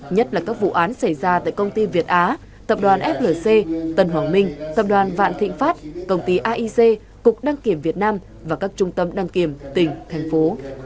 nhất là các vụ án xảy ra tại công ty việt á tập đoàn flc tân hoàng minh tập đoàn vạn thịnh pháp công ty aic cục đăng kiểm việt nam và các trung tâm đăng kiểm tỉnh thành phố